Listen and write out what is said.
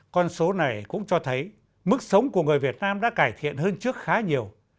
con số này cũng cho thấy mức sống của người việt nam đã cải thiện hơn trước khá nhiều